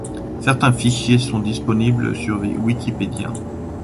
Certains fichiers sont disponibles sur Wikipédia.